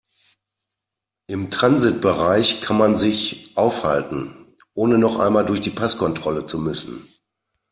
Im Transitbereich kann man sich aufhalten, ohne noch einmal durch die Passkontrolle zu müssen.